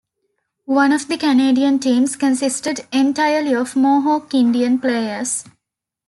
One of the Canadian teams consisted entirely of Mohawk Indian players.